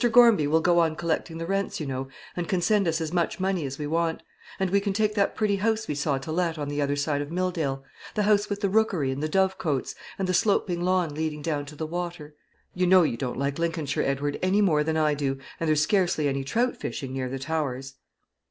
Gormby will go on collecting the rents, you know, and can send us as much money as we want; and we can take that pretty house we saw to let on the other side of Milldale, the house with the rookery, and the dovecotes, and the sloping lawn leading down to the water. You know you don't like Lincolnshire, Edward, any more than I do, and there's scarcely any trout fishing near the Towers."